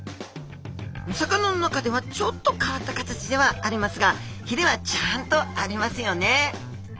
お魚の中ではちょっと変わった形ではありますがひれはちゃんとありますよね。